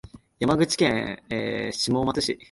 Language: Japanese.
山口県下松市